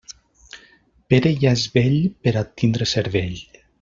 Pere ja és vell per a tindre cervell.